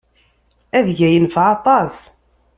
Adeg-a yenfeɛ aṭas.